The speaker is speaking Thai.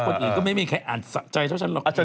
คนอื่นก็ไม่มีใครอ่านแสดงท่าวฉันหรอกเชิญ